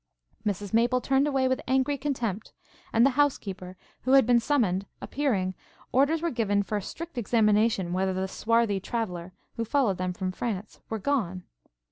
Mrs Maple turned away with angry contempt; and the housekeeper, who had been summoned, appearing, orders were given for a strict examination whether the swarthy traveller, who followed them from France, were gone.